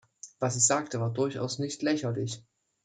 Was ich sagte, war durchaus nicht lächerlich.